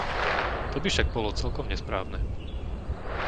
To by však bolo celkom nesprávne.